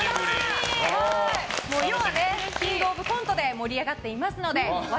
世は「キングオブコント」で盛り上がっていますので笑